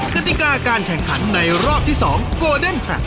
กฎิกาการแข่งขันในรอบที่สองโกรเดนคลับ